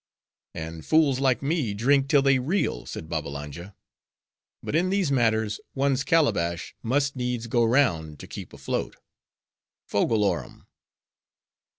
"And fools like me drink till they reel," said Babbalanja. "But in these matters one's calabash must needs go round to keep afloat. Fogle orum!"